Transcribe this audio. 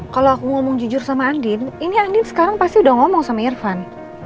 kalau aku ngomong jujur sama andin ini andin sekarang pasti udah ngomong sama irfan